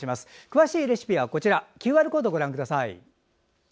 詳しいレシピはＱＲコードをご覧ください。